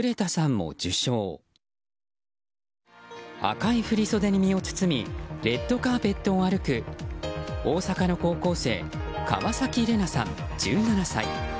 赤い振り袖に身を包みレッドカーペットを歩く大阪の高校生川崎レナさん、１７歳。